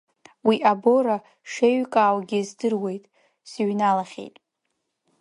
Уи абора шеиҩкааугьы здыруеит, сыҩналахьеит…